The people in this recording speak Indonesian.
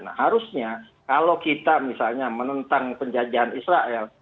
nah harusnya kalau kita misalnya menentang penjajahan israel